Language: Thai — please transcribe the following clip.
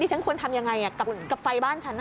ฉันควรทำยังไงกับไฟบ้านฉัน